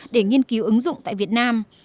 để nghiên cứu ứng dụng tại việt nam